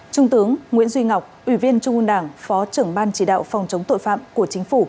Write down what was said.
trung tướng nguyễn duy ngọc ủy viên trung ương đảng phó trưởng ban chỉ đạo phòng chống tội phạm của chính phủ